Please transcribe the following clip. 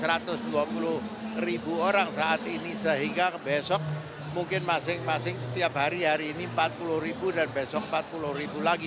rp empat saat ini sehingga besok mungkin masing masing setiap hari hari ini rp empat puluh dan besok rp empat puluh lagi